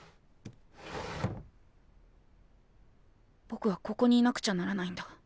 ぼくはここにいなくちゃならないんだ。